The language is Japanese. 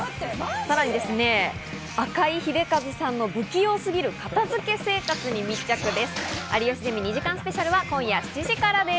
さらに、赤井英和さんの不器用すぎる片付け生活に密着です。